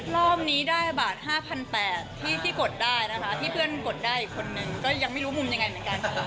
รอบนี้ได้บาท๕๘๐๐ที่กดได้นะคะที่เพื่อนกดได้อีกคนนึงก็ยังไม่รู้มุมยังไงเหมือนกัน